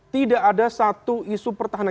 tidak ada satu isu pertahanan